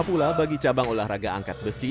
pula bagi cabang olahraga angkat besi